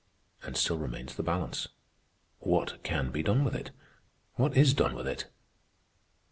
And still remains the balance. What can be done with it? What is done with it?"